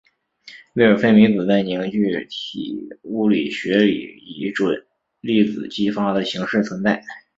魏尔费米子在凝聚体物理学里以准粒子激发的形式存在。